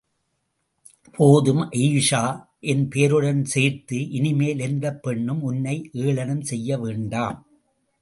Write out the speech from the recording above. போதும், அயீஷா என் பெயருடன் சேர்த்து, இனிமேல் எந்தப் பெண்ணும் உன்னை ஏளனம் செய்ய வேண்டாம்.